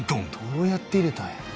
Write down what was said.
「どうやって入れたんや」